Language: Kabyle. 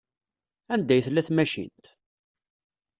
Anda ay tella tmacint?